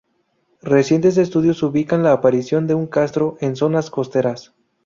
Recientes estudios ubican la aparición de un castro en su zona costera.